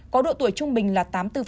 có độ tuổi trung bình là tám mươi bốn